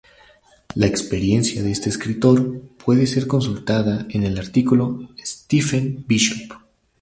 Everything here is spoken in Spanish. La experiencia de este escritor puede ser consultada en el artículo "Stephen Bishop".